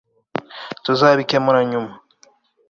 tuzabikemura nyuma